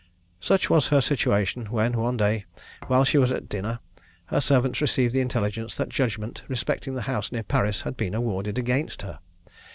Such was her situation, when one day, while she was at dinner, her servants received the intelligence that judgment respecting the house near Paris had been awarded against her.